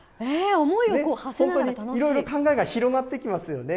本当にいろいろ考えが広がってきますよね。